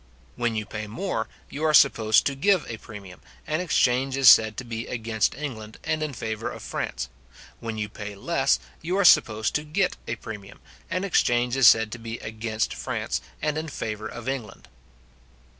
When you pay more, you are supposed to give a premium, and exchange is said to be against England, and in favour of France. When you pay less, you are supposed to get a premium, and exchange is said to be against France, and in favour of England.